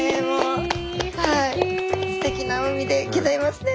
すてきな海でギョざいますね。